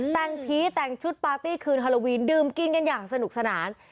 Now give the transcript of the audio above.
แต่งผีแต่งชุดปาร์ตี้คืนฮาโลวีนดื่มกินกันอย่างสนุกสนาน